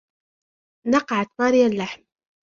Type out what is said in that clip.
نقعت ماري اللحم.